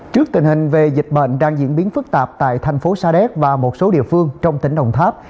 trước tình hình về dịch bệnh đang diễn biến phức tạp tại thành phố sa đéc và một số địa phương trong tỉnh đồng tháp